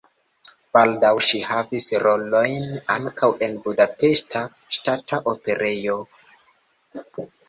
Baldaŭ ŝi havis rolojn ankaŭ en Budapeŝta Ŝtata Operejo.